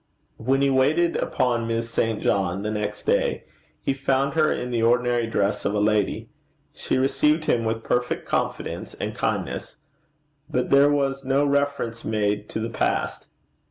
When he waited upon Miss St. John the next day, he found her in the ordinary dress of a lady. She received him with perfect confidence and kindness, but there was no reference made to the past.